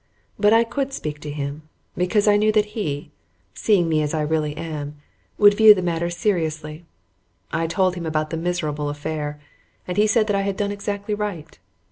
But I could speak to him, because I knew that he, seeing me as I really am, would view the matter seriously. I told him about the miserable affair, and he said that I had done exactly right.